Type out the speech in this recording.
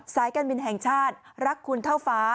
การบินแห่งชาติรักคุณเท่าฟ้า